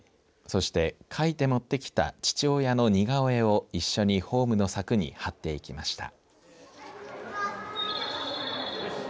そして、描いて持ってきた父親の似顔絵を一緒にホームの柵に貼っていきました。